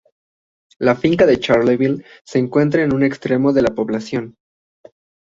La finca de Charleville se encuentra en un extremo de la población.